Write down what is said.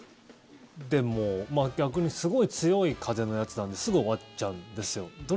でも、逆にすごい強い風のやつなんですぐ終わっちゃうんですよ。